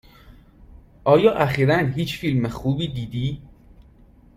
آیا اخیرا هیچ فیلم خوبی دیدی؟